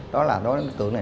đó là đối tượng này